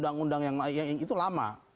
itu sudah lama